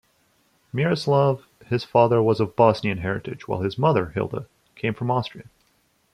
Miroslav, his father was of Bosnian heritage while his mother, Hilda, came from Austria.